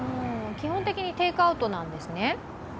基本的にテイクアウトなんですね。